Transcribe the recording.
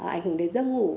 ảnh hưởng đến giấc ngủ